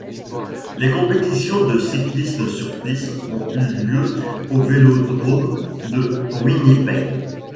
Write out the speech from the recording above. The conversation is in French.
Les compétitions de cyclisme sur piste ont eu lieu au vélodrome de Winnipeg.